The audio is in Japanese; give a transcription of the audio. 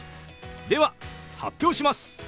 では発表します！